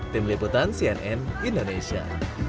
tim liputan cnn indonesia